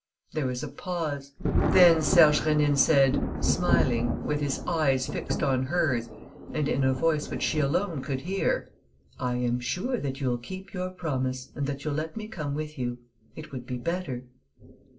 There was a pause. Then Serge Rénine said, smiling, with his eyes fixed on hers and in a voice which she alone could hear: "I am sure that you'll keep your promise and that you'll let me come with you. It would be better."